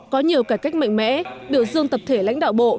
có nhiều cải cách mạnh mẽ biểu dương tập thể lãnh đạo bộ